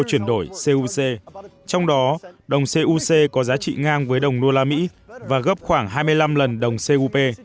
trong đó đồng cuc có giá trị ngang với đồng nô la mỹ và gấp khoảng hai mươi năm lần đồng cup